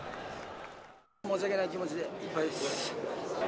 申し訳ない気持ちで、いっぱいです。